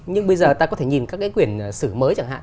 nhưng bây giờ ta có thể nhìn các cái quyền sử mới chẳng hạn